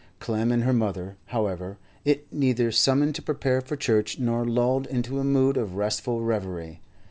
Clem and her mother, however, it neither summoned to prepare for church, nor lulled into a mood of restful reverie.